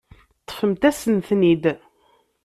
Ṭṭfemt-asen-ten-id.